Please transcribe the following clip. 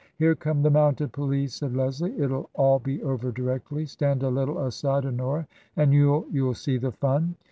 " Here come the mounted police !" said Leslie. " It'll all be over directly. Stand a little aside, Honora, and you'll — ^you'll see the fun."